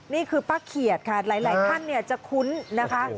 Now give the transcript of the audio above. นี่คือป้าเขียดค่ะหลายท่านจะคุ้นนะคะ